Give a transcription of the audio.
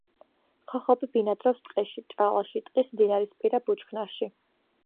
ხოხობი ბინადრობს ტყეში, ჭალაში, ტყის მდინარისპირა ბუჩქნარში.